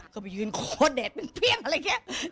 เขาไปยืนโคตรแดดเป็นเพียงอะไรแบบนี้